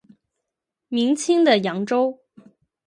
明清的扬州。